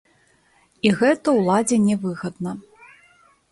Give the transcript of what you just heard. І гэта ўладзе не выгадна.